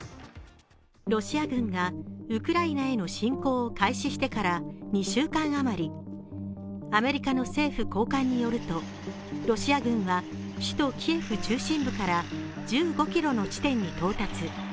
ロシア軍がウクライナへの侵攻を開始してから２週間あまりアメリカの政府高官によると、ロシア軍は首都キエフ中心部から１５ｋｍの地点に到達。